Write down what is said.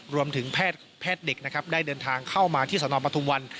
รวมถึงแพทย์เด็กได้เดินทางเข้ามาที่สนปธุมวัน